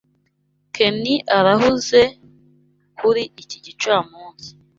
Ken arahuze kuri iki gicamunsi.